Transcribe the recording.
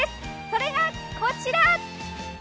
それが、こちら！